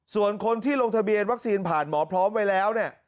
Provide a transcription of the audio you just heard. ส่วนคนที่ลงทะเบียนวัคซีนผ่านหมอพร้อมไว้แล้วเนี่ย